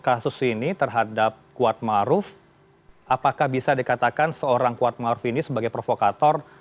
kasus ini terhadap kuat maruf apakah bisa dikatakan seorang kuat maruf ini sebagai provokator